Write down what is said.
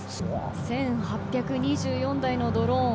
１８２４台のドローン。